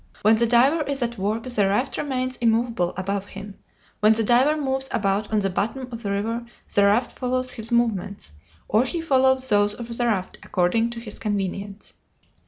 When the diver is at work the raft remains immovable above him; when the diver moves about on the bottom of the river the raft follows his movements, or he follows those of the raft, according to his convenience.